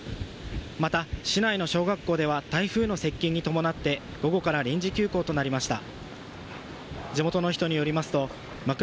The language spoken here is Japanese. また市内の小学校では台風の接近に伴って午後から臨時休校となりました。